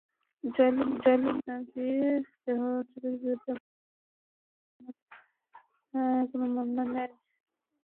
জয়নুল করিমের দাবি, তেহজীবের বিরুদ্ধে এখন পর্যন্ত কোনো থানায় কোনো মামলা নেই।